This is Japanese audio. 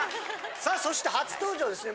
さあそして初登場ですね。